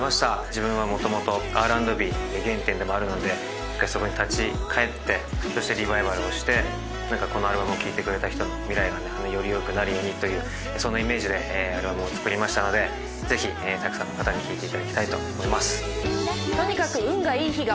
自分はもともとＲ＆Ｂが原点でもあるので１回そこに立ち返ってそしてリバイバルをしてこのアルバム聴いてくれた人の未来がより良くなるようにというそんなイメージでアルバムを作ったのでぜひたくさんの方に聴いていただきたいと思います。